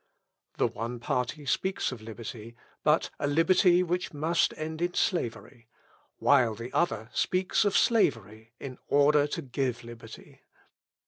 The one party speaks of liberty, but a liberty which must end in slavery; while the other speaks of slavery, in order to give liberty.